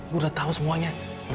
gue udah tau semuanya